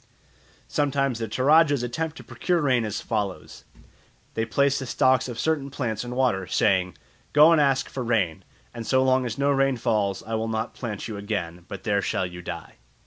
Sometimes the Toradjas attempt to procure rain as follows. They place the stalks of certain plants in water, saying, "Go and ask for rain, and so long as no rain falls I will not plant you again, but there shall you die."